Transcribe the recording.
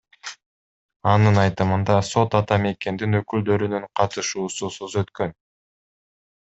Анын айтымында, сот Ата Мекендин өкүлдөрүнүн катышуусусуз өткөн.